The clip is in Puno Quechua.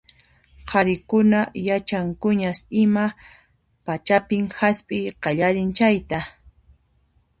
Qharikunaqa yachankuñas ima pachapin hasp'iy qallarin chayta.